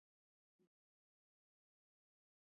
افغانستان په منی غني دی.